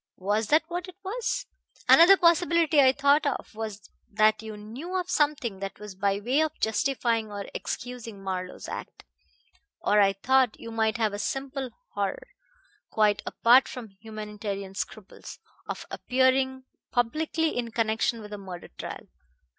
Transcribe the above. Was that what it was? Another possibility I thought of was that you knew of something that was by way of justifying or excusing Marlowe's act. Or I thought you might have a simple horror, quite apart from humanitarian scruples, of appearing publicly in connection with a murder trial.